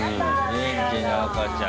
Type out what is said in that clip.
元気な赤ちゃん。